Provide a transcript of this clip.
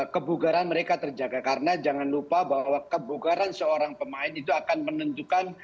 kebugaran mereka terjaga karena jangan lupa bahwa kebugaran seorang pemain itu akan menentukan